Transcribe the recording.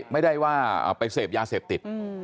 ไม่ได้ว่าไปเสพยาเสพติด